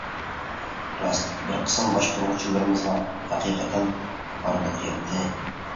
راست بىر قىسىم باشقۇرغۇچىلىرىمىزغا ھەقىقەتەن ھاردۇق يەتتى.